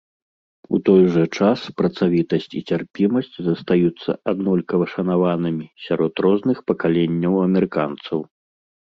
У той жа час працавітасць і цярпімасць застаюцца аднолькава шанаванымі сярод розных пакаленняў амерыканцаў.